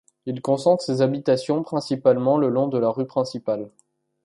Il concentre ses habitations principalement le long de la rue principale.